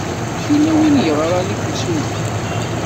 Yella win ay yeɣran i temsulta.